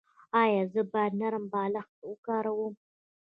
ایا زه باید نرم بالښت وکاروم؟